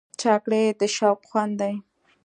چاکلېټ د شوق خوند دی.